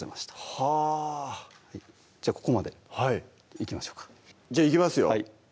はぁじゃあここまでいきましょうかじゃあいきますよ